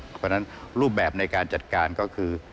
เพราะฉะนั้นรูปแบบในการจัดการก็คือ